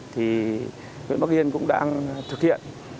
thì huyện bắc yên cũng đang thực hiện